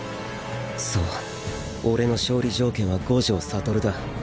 そう俺の勝利条件は五条悟だ。